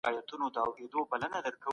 د ځان باور او اعتماد روحیه قوي کوي.